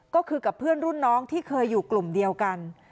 ก็คือกับเพื่อนรุ่นน้องที่เคยอยู่กลุ่มเดียวกัน